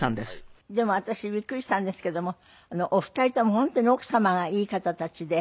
でも私びっくりしたんですけどもお二人とも本当に奥様がいい方たちで。